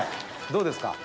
どうですか？